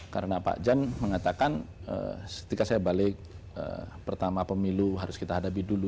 karena pak jan mengatakan ketika saya balik pertama pemilu harus kita hadapi dulu